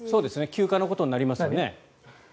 休暇のことになりますよね？